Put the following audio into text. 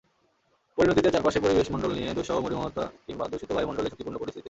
পরিণতিতে চারপাশের পরিবেশ মণ্ডল ঘিরে দুঃসহ মরুময়তা কিংবা দূষিত বায়ুমণ্ডলে ঝুঁকিপূর্ণ পরিস্থিতি।